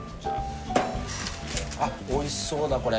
あっおいしそうだこれ。